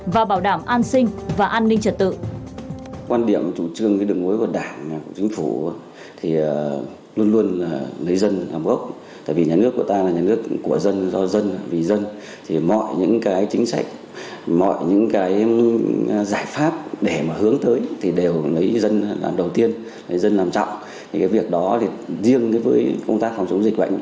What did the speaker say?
và bảo đảm an sinh và an ninh trật tự